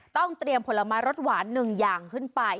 ต้องเตรียมผลไม้รสหวาน๑อย่างขึ้นไป